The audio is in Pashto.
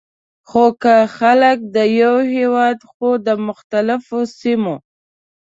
خو که خلک د یوه هیواد خو د مختلفو سیمو،